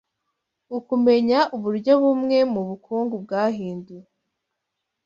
ukumenya uburyo bumwe mubukungu bwahinduwe